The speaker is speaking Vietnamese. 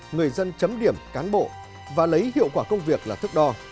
người dân chấm điểm cán bộ và lấy hiệu quả công việc là thức đo